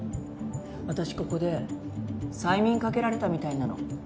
私ここで催眠かけられたみたいなの。